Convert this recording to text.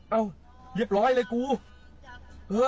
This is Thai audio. เอ้าเรียบร้อยเลยกู